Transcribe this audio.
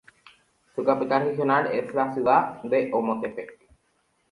Su capital regional es la ciudad de Ometepec.